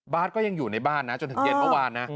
ก็ยังอยู่ในบ้านนะจนถึงเย็นเมื่อวานนะ